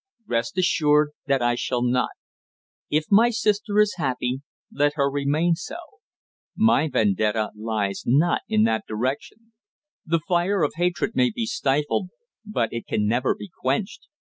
Rest assured that I shall not. If my sister is happy, let her remain so. My vendetta lies not in that direction. The fire of hatred may be stifled, but it can never be quenched.